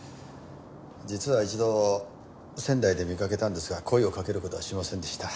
実は一度仙台で見かけたんですが声をかける事はしませんでした。